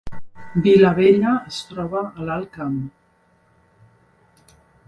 Vilabella es troba a l’Alt Camp